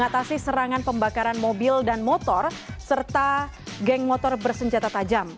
dan motor serta geng motor bersenjata tajam